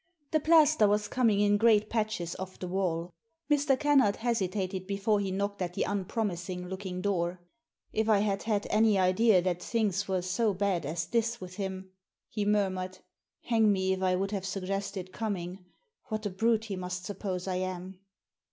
The plaster was coming in great patches off the wall. Mr. Kennard hesitated before he knocked at the unpromising looking door. " If I had had any idea that things were so bad as this with him," he murmured, "hang me if I would have suggested coming. What a brute he must suppose I am."